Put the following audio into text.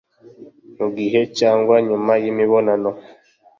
mu gihe cyangwa nyuma y'imibonano